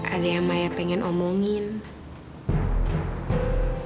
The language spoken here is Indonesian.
ada yang saya ingin beritahu